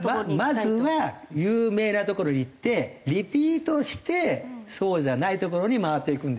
まずは有名な所に行ってリピートしてそうじゃない所に回っていくんですよ。